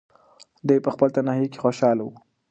دی په خپل تنهایۍ کې خوشحاله و.